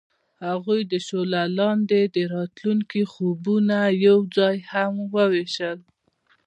هغوی د شعله لاندې د راتلونکي خوبونه یوځای هم وویشل.